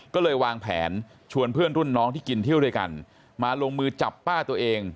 ก็เลยวางแผนชวนเพื่อนรุ่นน้องที่กินเที่ยวด้วยกันมาลงมือจับป้าตัวเอง